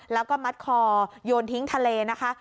แล้วก็มัดคอโยนทิ้งทะเลนะคะ